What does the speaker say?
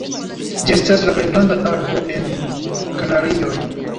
Ĝi estas la plej granda arbo en Kanarioj.